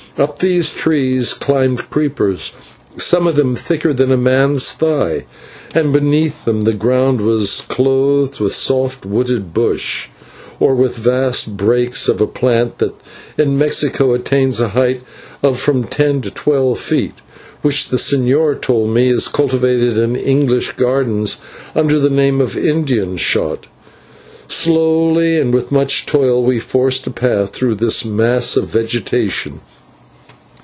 Up these trees climbed creepers, some of them thicker than a man's thigh, and beneath them the ground was clothed with soft wooded bush, or with vast brakes of a plant that in Mexico attains a height of from ten to twelve feet, which the señor told me is cultivated in English gardens under the name of Indian Shot. Slowly and with much toil we forced a path through this mass of vegetation.